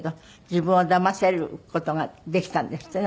自分をだませる事ができたんですって？